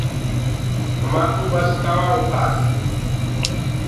همآ ڪوُ بس ڪوآ اُٺاس۔